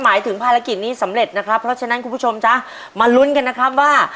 หมายถึงภารกิจนี้สำเร็จนะครับเพราะฉะนั้นคุณผู้ชมจ๊ะมาลุ้นกันนะครับว่า